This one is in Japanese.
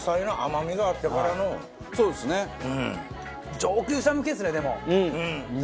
上級者向けですねでもだいぶ。